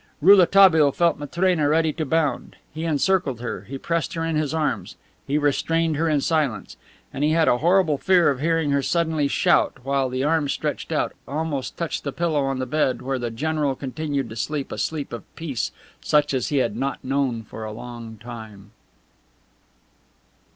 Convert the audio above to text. Rouletabille felt Matrena ready to bound. He encircled her, he pressed her in his arms, he restrained her in silence, and he had a horrible fear of hearing her suddenly shout, while the arm stretched out, almost touched the pillow on the bed where the general continued to sleep a sleep of peace such as he had not known for a long time.